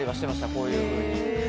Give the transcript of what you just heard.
こういうふうに。